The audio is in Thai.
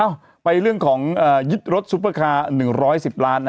ไปเรื่องของยึดรถซุปเปอร์คาร์๑๑๐ล้าน